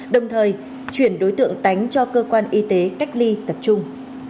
đồng thời chuyển đối tượng tánh cho cơ quan y tế cách ly tập trung